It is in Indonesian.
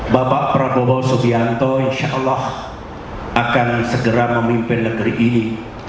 bapak prabowo subianto insya allah akan segera memimpin negeri ini